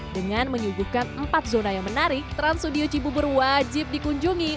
dengan menyuguhkan empat zona yang menarik trans studio cibubur wajib dikunjungi